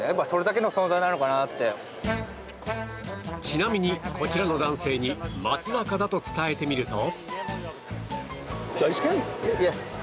ちなみに、こちらの男性に松坂だと伝えてみると。